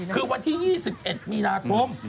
คือวันที่๒๑มีนาคม